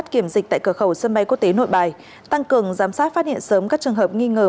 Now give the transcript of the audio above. kiểm dịch tại cửa khẩu sân bay quốc tế nội bài tăng cường giám sát phát hiện sớm các trường hợp nghi ngờ